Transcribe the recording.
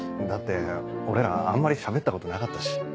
だって俺らあんまりしゃべったことなかったし。